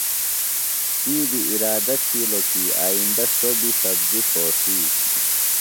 تی بیۡ ارادہ تِھیلوۡ کی آئیندہ سوۡ بیۡ سبزیۡ ݜوݜی۔